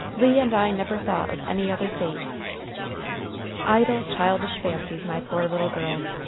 Le and I never thought of any other fate." "Idle, childish fancies, my poor little girl!